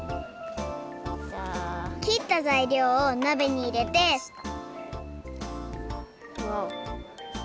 きったざいりょうをなべにいれてわおっ。